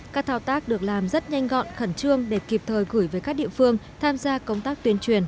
các thao tác được làm rất nhanh gọn khẩn trương để kịp thời gửi về các địa phương tham gia công tác tuyên truyền